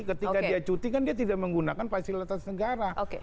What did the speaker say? ketika dia cuti kan dia tidak menggunakan fasilitas negara